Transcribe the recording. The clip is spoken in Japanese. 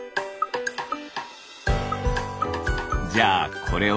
じゃあこれは？